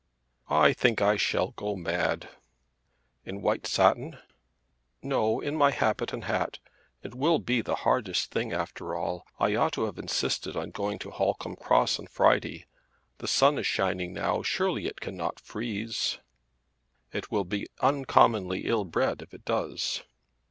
"I think I shall go mad." "In white satin?" "No; in my habit and hat. It will be the hardest thing, after all! I ought to have insisted on going to Holcombe Cross on Friday. The sun is shining now. Surely it cannot freeze." "It will be uncommonly ill bred if it does."